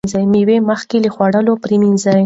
مېوه مخکې له خوړلو پریمنځئ.